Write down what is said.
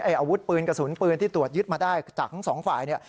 อาวุธปืนกระสุนปืนที่ตรวจยึดมาได้จากทั้งสองฝ่ายเนี่ย